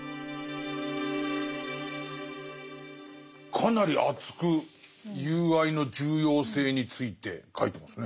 かなり熱く友愛の重要性について書いてますね。